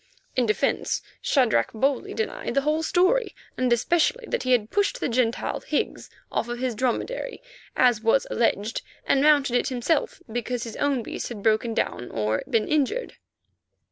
In defence Shadrach boldly denied the whole story, and especially that he had pushed the Gentile, Higgs, off his dromedary, as was alleged, and mounted it himself because his own beast had broken down or been injured.